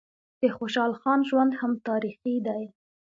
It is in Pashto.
د خوشحال خان ژوند هم تاریخي دی.